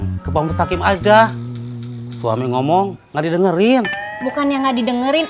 kang ke pak mustaqim aja suami ngomong nggak didengerin bukannya nggak didengerin